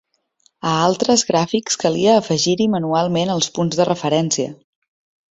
A altres gràfics calia afegir-hi manualment els punts de referència.